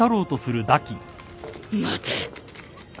待て。